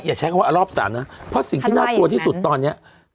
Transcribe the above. ใช้คำว่ารอบ๓นะเพราะสิ่งที่น่ากลัวที่สุดตอนนี้